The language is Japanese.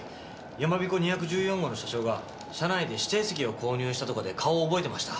やまびこ２１４号の車掌が車内で指定席を購入したとかで顔を覚えてました。